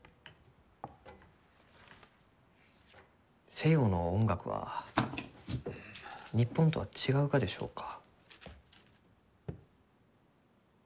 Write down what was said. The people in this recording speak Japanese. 西洋の音楽は日本とは違うがでしょうか？